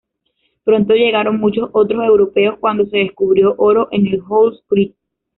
Pronto llegaron muchos otros europeos, cuando se descubrió oro en el Halls Creek.